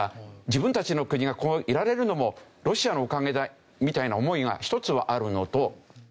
自分たちの国がこういられるのもロシアのおかげだみたいな思いが一つはあるのと。